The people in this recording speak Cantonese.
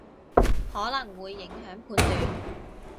可能會影響判斷